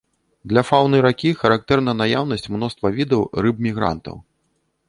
Для фаўны ракі характэрна наяўнасць мноства відаў рыб-мігрантаў.